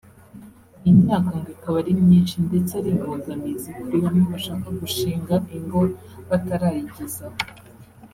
Iyi myaka ngo ikaba ari myinshi ndetse ari imbogamizi kuri bamwe bashaka gushinga ingo batarayigezaho